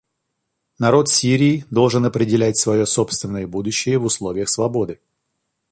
Народ Сирии должен определять свое собственное будущее в условиях свободы.